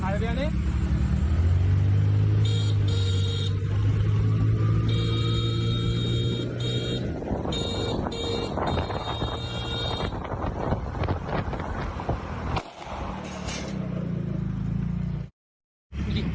หัวผู้ชมเห็นเลยนะตอนที่มอเตอร์ไซค์พอระบาป